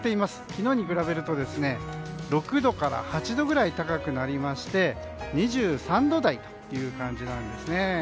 昨日に比べると６度から８度くらい高くなりまして２３度台という感じなんですね。